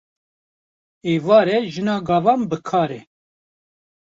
Êvar e jina gavan bi kar e